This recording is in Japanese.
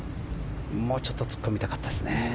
もうちょっと突っ込みたかったですね。